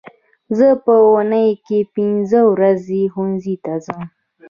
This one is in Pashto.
زه په اونۍ کې پینځه ورځې ښوونځي ته ځم